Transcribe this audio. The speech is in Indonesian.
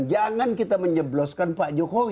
jangan kita menyebloskan pak jokowi